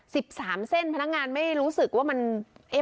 สิบสามเส้นพนักงานไม่รู้สึกว่ามันเอ๊ะ